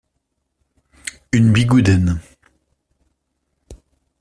Une bigouden.